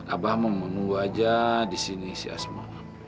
abah mau menunggu aja di sini si asma